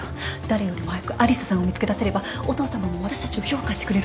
誰よりも早く有沙さんを見つけ出せればお父さまも私たちを評価してくれるはず。